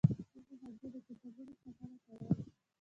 زه د ښوونځي د کتابونو ساتنه کوم.